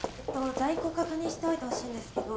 在庫確認しておいてほしいんですけど。